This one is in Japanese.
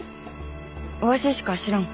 わししか知らん。